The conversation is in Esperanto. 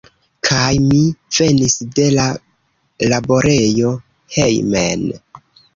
Kaj mi venis de la laborejo hejmen.